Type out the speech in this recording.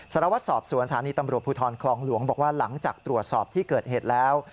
สารวัตรสอบสวนสถานีตำรวจภูทรคลองหลวงบอกว่าหลังจากตรวจสอบที่เกิดเหตุแล้ว